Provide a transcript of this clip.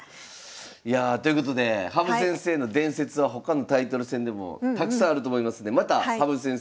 いやあということで羽生先生の伝説は他のタイトル戦でもたくさんあると思いますんでまた羽生先生